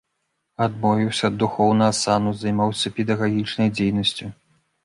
Адмовіўся ад духоўнага сану, займаўся педагагічнай дзейнасцю.